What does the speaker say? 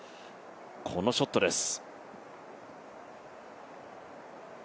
このショットです。